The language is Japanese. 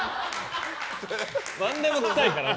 何でも臭いから。